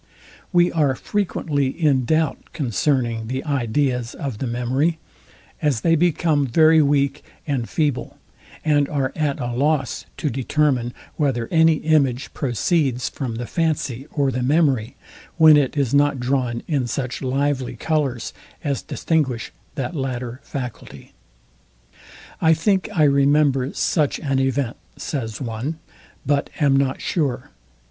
We are frequently in doubt concerning the ideas of the memory, as they become very weak and feeble; and are at a loss to determine whether any image proceeds from the fancy or the memory, when it is not drawn in such lively colours as distinguish that latter faculty. I think, I remember such an event, says one; but am not sure.